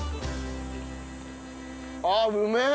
あっうめえ！